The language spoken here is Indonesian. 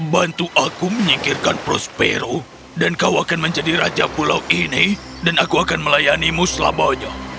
bantu aku menyingkirkan prospero dan kau akan menjadi raja pulau ini dan aku akan melayanimu selamanya